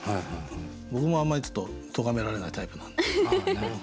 僕もあんまりちょっと咎められないタイプなんで。